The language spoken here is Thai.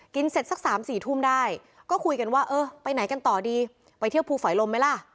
เสร็จสัก๓๔ทุ่มได้ก็คุยกันว่าเออไปไหนกันต่อดีไปเที่ยวภูฝอยลมไหมล่ะ